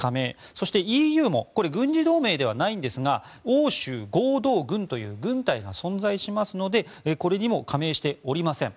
そしてＥＵも軍事同盟ではないんですが欧州合同軍という軍隊が存在しますのでこれにも加盟しておりません。